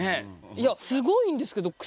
いやすごいんですけどええ！